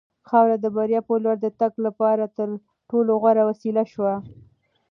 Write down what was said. خاوره د بریا په لور د تګ لپاره تر ټولو غوره وسیله شوه.